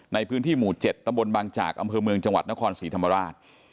ในพื้นที่หมู่๗ตำบลบางจากอำเภอเมืองจังหวัดนครศรีธรรมราช